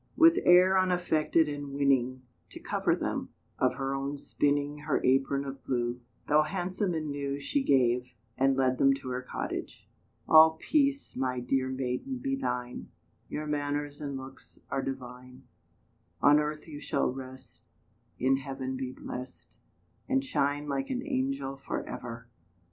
With air unaffected and winning, To cover them, of her own spinning Her apron of blue, Though handsome and new, She gave, and led them to her cottage. All peace, my dear maiden, be thine: Your manners and looks are divine; On earth you shall rest, In heaven be blest, And shine like an angel for ever.